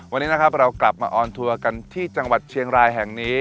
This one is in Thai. วันนี้นะครับเรากลับมาออนทัวร์กันที่จังหวัดเชียงรายแห่งนี้